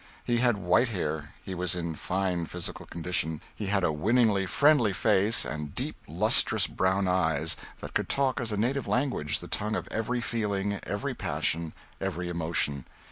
He had white hair; he was in fine physical condition; he had a winningly friendly face and deep lustrous brown eyes that could talk as a native language the tongue of every feeling, every passion, every emotion.